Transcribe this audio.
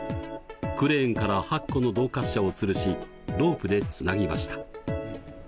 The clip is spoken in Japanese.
クレーンから８個の動滑車をつるしロープでつなぎました。